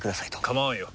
構わんよ。